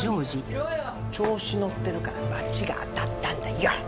調子乗ってるから罰が当たったんだよ！